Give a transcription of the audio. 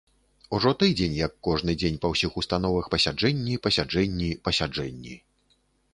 Ужо тыдзень, як кожны дзень па ўсіх установах пасяджэнні, пасяджэнні, пасяджэнні.